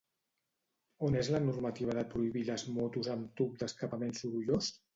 On és la normativa de prohibir les motos amb tub de escapament sorollós?